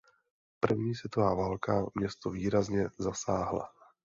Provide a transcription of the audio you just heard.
První světová válka město výrazně zasáhla.